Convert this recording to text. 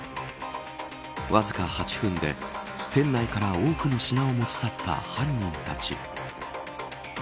わずか８分で店内から多くの品を持ち去った犯人たち。